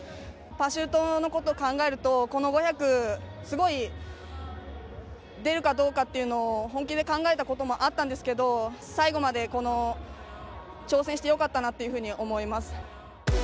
パシュートのことを考えると、この５００、すごい、出るかどうかっていうのを、本気で考えたこともあったんですけど、最後まで挑戦してよかったなっていうふうに思います。